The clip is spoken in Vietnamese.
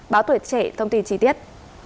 báo tuyệt trẻ thông tin trí tiết